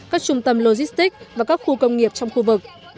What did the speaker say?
các trung tâm logistics và các khu công nghiệp trong khu vực